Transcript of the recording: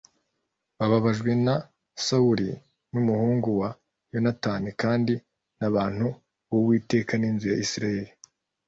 bababajwe na Sawuli n’umuhungu we Yonatani kandi n’abantu b’Uwiteka n’inzu ya Isirayeli